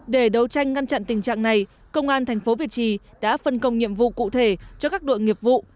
để đấu tranh ngăn chặn tình trạng này công an thành phố việt trì đã phân công nhiệm vụ cụ thể cho các đội nghiệp vụ